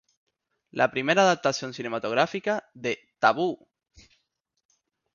La primera adaptación cinematográfica de "¡Tabú!